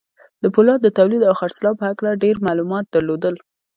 د پولادو د توليد او خرڅلاو په هکله ډېر معلومات درلودل.